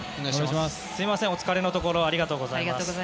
すみませんお疲れのところありがとうございます。